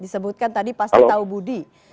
disebutkan tadi pasti tahu budi